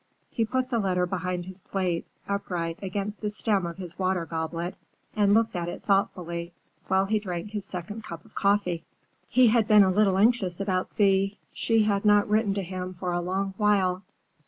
He put the letter behind his plate, upright against the stem of his water goblet, and looked at it thoughtfully while he drank his second cup of coffee. He had been a little anxious about Thea; she had not written to him for a long while.